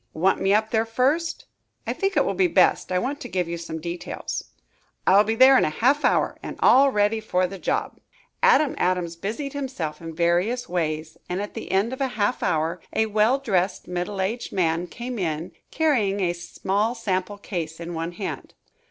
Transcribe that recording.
"Want me up there first?" "I think it will be best. I want to give you some details." "I'll be there in half an hour and all ready for the job." Adam Adams busied himself in various ways, and at the end of half an hour, a well dressed, middle aged man came in, carrying a small sample case in one hand.